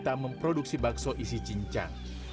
tak memproduksi bakso isi cincang